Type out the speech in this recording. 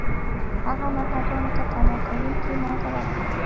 هغه مرهټیانو ته تباه کوونکې ماته ورکړه.